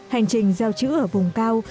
hành trình giao chữ ở vùng cao